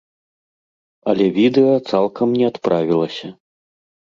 Але відэа цалкам не адправілася.